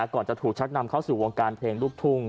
ก่อนจะถูกชักนำเข้าสู่วงการเพลงลูกทุ่ง